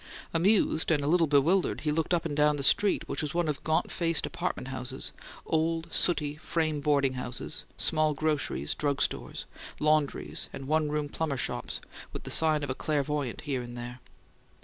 Amused and a little bewildered, he looked up and down the street, which was one of gaunt faced apartment houses, old, sooty, frame boarding houses, small groceries and drug stores, laundries and one room plumbers' shops, with the sign of a clairvoyant here and there.